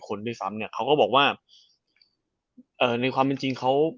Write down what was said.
คนด้วยซ้ำเนี่ยเขาก็บอกว่าเอ่อในความเป็นจริงเขา